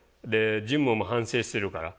ジムも反省してるから。